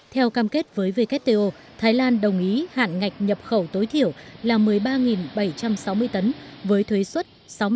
theo cam kết với wto thái lan đồng ý hạn ngạch nhập khẩu tối thiểu là một mươi ba bảy trăm sáu mươi tấn với thuế xuất sáu mươi